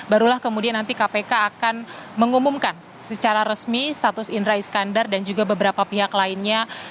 barulah kemudian nanti kpk akan mengumumkan secara resmi status indra iskandar dan juga beberapa pihak lainnya